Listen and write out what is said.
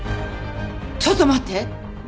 ちょっと待って！